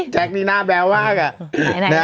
แจ๊คมีหน้าแบวว่างอ่ะ